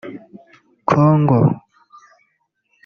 Congo